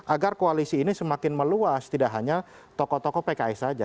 agar koalisi ini semakin meluas tidak hanya tokoh tokoh pks saja